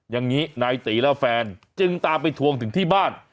อย่างนี้นายตีและแฟนจึงตามไปทวงถึงที่บ้าน